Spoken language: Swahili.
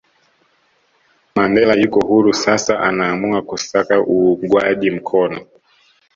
Mandela yuko huru sasa anaamua kusaka uungwaji mkono